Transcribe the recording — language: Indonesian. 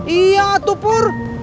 iya tuh pur